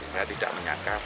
saya tidak menyakap